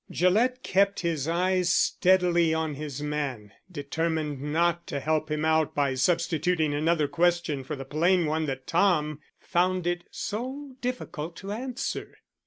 Gillett kept his eyes steadily on his man, determined not to help him out by substituting another question for the plain one that Tom found it so difficult to answer.